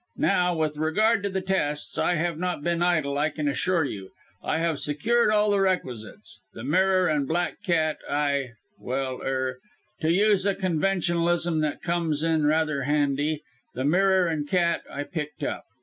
Now, with regard to the tests. I have not been idle I can assure you. I have secured all the requisites. The mirror and black cat I well, er to use a conventionalism that comes in rather handy the mirror and cat I picked up.